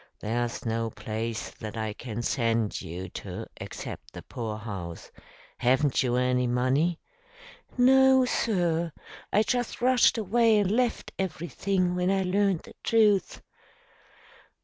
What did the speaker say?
There's no place that I can send you to except the poorhouse. Haven't you any money?" "No, sir. I just rushed away and left everything when I learned the truth."